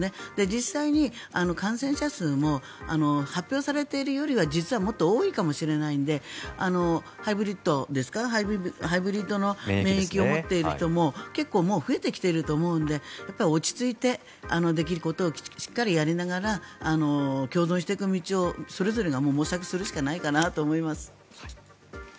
実際に感染者数も発表されているよりは実はもっと多いかもしれないのでハイブリッドの免疫を持っている人も結構増えてきていると思うので落ち着いてできることをしっかりやりながら共存していく道をそれぞれが模索するしかないかなと思います。